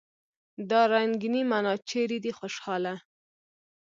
دا رنګينې معنی چېرې دي خوشحاله!